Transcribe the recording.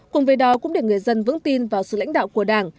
cùng với đó cũng để người dân vững tin vào sự lãnh đạo của đảng